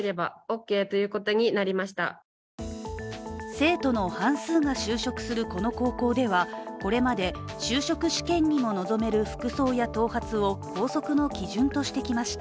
生徒の半数が就職するこの高校ではこれまで就職試験にも臨める服装や頭髪を校則の基準としてきました。